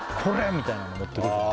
みたいなの持ってくると思う